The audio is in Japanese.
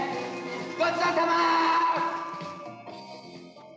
ごちそうさま！